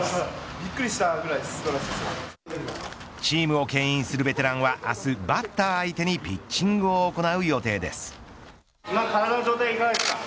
チームをけん引するベテランは明日、バッター相手にピッチングを行う予定です。